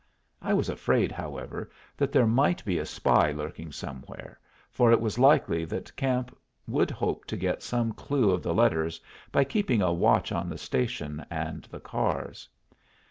I was afraid, however, that there might be a spy lurking somewhere, for it was likely that Camp would hope to get some clue of the letters by keeping a watch on the station and the cars.